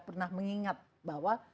pernah mengingat bahwa